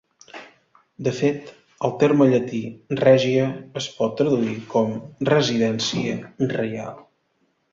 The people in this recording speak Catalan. De fet, el terme llatí "regia" es pot traduir com "residència reial".